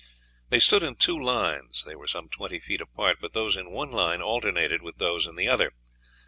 They stood in two lines; they were some twenty feet apart, but those in one line alternated with those in the other.